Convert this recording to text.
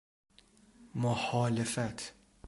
محالفت